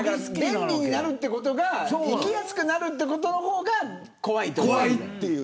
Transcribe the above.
便利になることが行きやすくなるってことが怖いと。